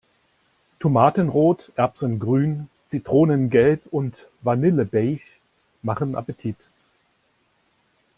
Tomatenrot, erbsengrün, zitronengelb und vanillebeige machen Appetit.